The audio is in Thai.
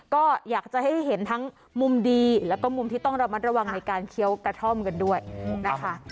ก็อยากจะให้เห็นทั้งมุมดีแล้วก็มุมที่ต้องระมัดระวังในการเคี้ยวกระท่อมกันด้วยนะคะ